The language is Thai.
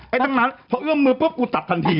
ทั้งนั้นพอเอื้อมมือปุ๊บกูตัดทันที